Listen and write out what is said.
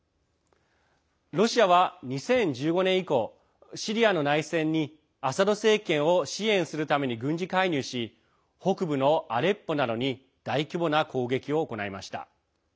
ロシアは２０１５年以降シリアの内戦にアサド政権を支援するために軍事介入し北部のアレッポなどに大規模な攻撃を行いました。